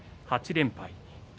８連敗。